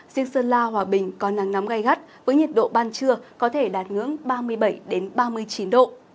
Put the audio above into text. riêng sơn la hòa bình có nắng nóng gai gắt với nhiệt độ ban trưa có thể đạt ngưỡng ba mươi bảy ba mươi chín độ